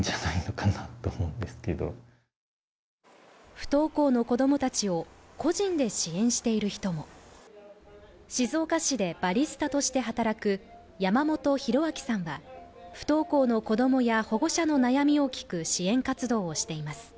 不登校の子供たちを個人で支援している人も静岡市でバリスタとして働く山本紘彰さんは、不登校の子供や保護者の悩みを聞く支援活動をしています。